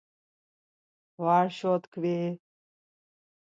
Var, şo tkvi.